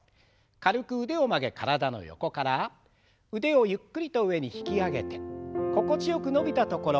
軽く腕を曲げ体の横から腕をゆっくりと上に引き上げて心地よく伸びたところ。